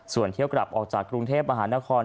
ส่วนเที่ยวกลับออกจากกรุงเทพมหานคร